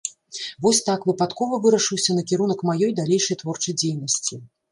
Вось так выпадкова вырашыўся накірунак маёй далейшай творчай дзейнасці.